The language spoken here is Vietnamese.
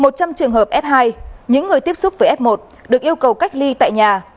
một trăm linh trường hợp f hai những người tiếp xúc với f một được yêu cầu cách ly tại nhà